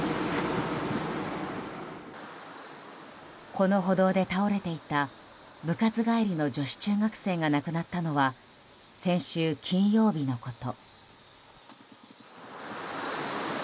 この歩道で倒れていた部活帰りの女子中学生が亡くなったのは先週金曜日のこと。